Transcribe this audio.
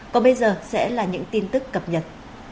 còn bây giờ sẽ là những tin tức cập nhật